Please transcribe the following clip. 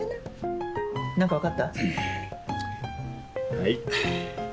はい。